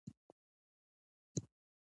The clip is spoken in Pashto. دوی خپلو موخو ته د رسیدو هڅه کوي.